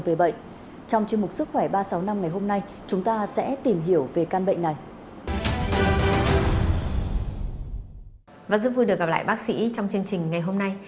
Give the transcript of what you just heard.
và rất vui được gặp lại bác sĩ trong chương trình ngày hôm nay